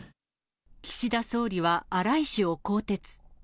岸田総理は荒井氏を更迭。